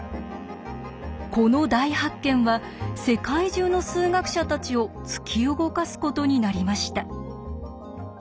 この大発見は世界中の数学者たちを突き動かすことになりました。